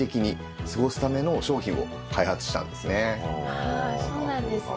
ああそうなんですね。